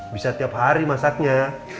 bisa tiap hari masaknya